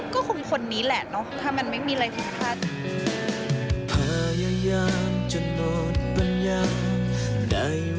ก็คุมคนนี้แหละถ้ามันไม่มีอะไรผิดพลาด